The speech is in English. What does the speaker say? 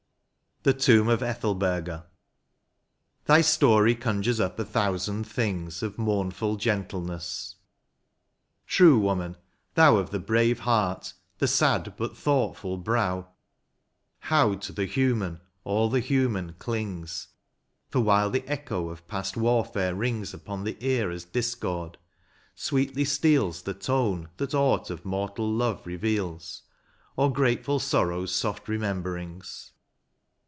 93 XLVI, THE TOMB OF ETHELBERGA. Thy story conjures up a thousand things Of moumfdl gentleness ; true woman, thou Of the brave heart, the sad but thoughtfal brow : How to the human all the human clings, For while the echo of past warfare rings Upon the ear as discord, sweetly steals The tone that aught of mortal love reveals, Or grateM sorrow's soft rememberings.